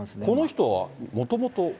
この人はもともと。